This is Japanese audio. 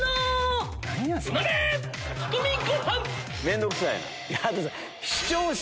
面倒くさい。